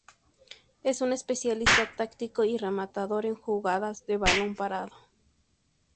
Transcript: Es un especialista táctico y rematador en jugadas de balón parado.